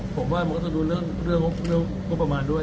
ผมว่ามันก็ต้องดูเรื่องงบประมาณด้วย